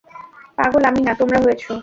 পাগল আমি না, তোমরা হয়েছ।